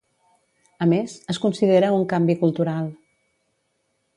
A més, es considera un "canvi cultural".